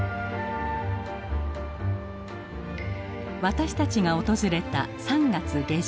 私たちが訪れた３月下旬。